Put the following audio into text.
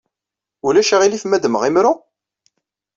Ulac aɣilif ma ddmeɣ imru?